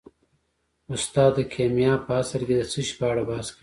استاده کیمیا په اصل کې د څه شي په اړه بحث کوي